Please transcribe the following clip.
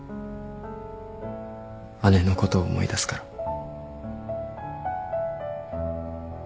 姉のことを思い出すから。